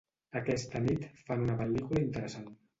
Aquesta nit fan una pel·lícula interessant.